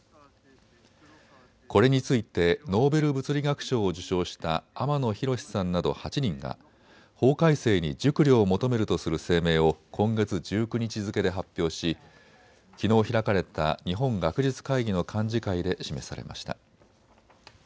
これについてノーベル物理学賞を受賞した天野浩さんなど８人が法改正に熟慮を求めるとする声明を今月１９日付けで発表し、きのう開かれた日本学術会議の幹事会で示されました。